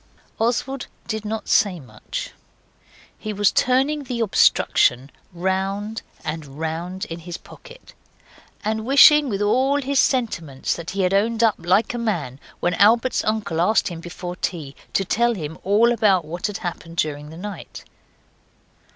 Oswald did not say much. He was turning the obstruction round and round in his pocket, and wishing with all his sentiments that he had owned up like a man when Albert's uncle asked him before tea to tell him all about what had happened during the night.